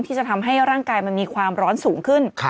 ที่จะทำให้ร่างกายมันมีความร้อนสูงขึ้น